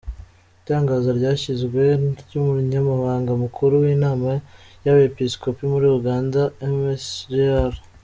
Itangazo ryashyizwe ry’Umunyamabanga mukuru w’Inama y’Abepiskopi muri Uganda, Msgr.